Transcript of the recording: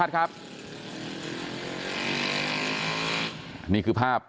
สวัสดีคุณผู้ชมนุม